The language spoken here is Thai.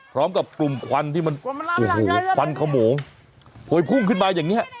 พร้อมกับกลุ่มควันที่มันโอ้โหควันขโมงโพยพุ่งขึ้นมาอย่างนี้